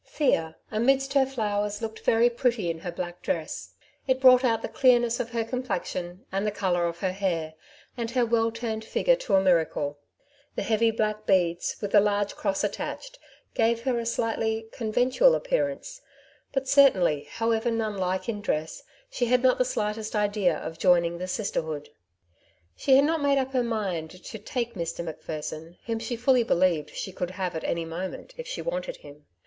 Thea, amidst her flowers, looked very pretty in her black dress. It brought out the clearness of her complexion, and the colour of her hair, and her well turned figure, to a miracle. The heavy black beads, with the large cross attached, gave her a slightly conventual appearance ; but certainly, how 1 66 " Two Sides to every Question, ever nanlike in dress^ she had not the slightest idea of joining the sisterhood. She had not made up her mind to '' take ^' Mr. Macpherson, whom she fully believed she could have at any moment if she wanted him.